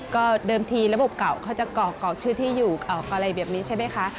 ก็เดิมทีระบบเก่าเขาจะกรอกชื่อที่อยู่อะไรแบบนี้ใช่ไหมคะ